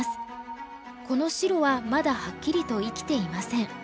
この白はまだはっきりと生きていません。